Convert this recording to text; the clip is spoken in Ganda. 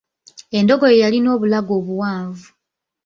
Endogoyi yalina obulago obuwanvu.